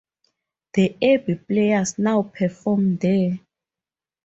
The Abbey Players now perform there.